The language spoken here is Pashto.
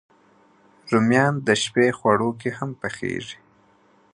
رومیان د شپی خواړو کې هم پخېږي